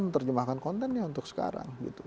menerjemahkan kontennya untuk sekarang